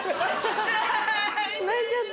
痛い！泣いちゃった。